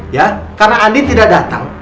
ya karena andi tidak datang